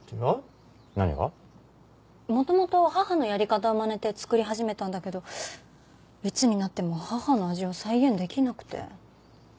元々母のやり方をまねて作り始めたんだけどいつになっても母の味を再現できなくて。